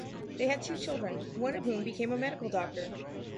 They had two children, one of whom became a medical doctor.